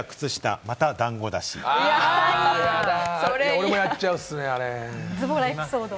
俺もやっちゃうんですよね、あれ。